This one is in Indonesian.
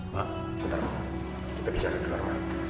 pak bentar pak kita bicara dulu